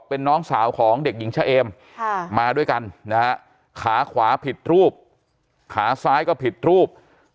เป็นน้องสาวของเด็กหญิงชะเอมมาด้วยกันนะฮะขาขวาผิดรูปขาซ้ายก็ผิดรูป